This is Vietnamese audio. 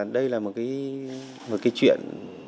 đây là một cái chuyện